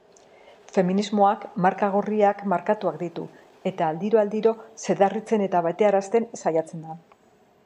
Feminismoak marra gorriak markatuak ditu eta al-diro-aldiro zedarritzen eta betearazten saiatzen da.